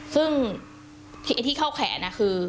ซึ่งที่เข้าแขนอ่ะคือ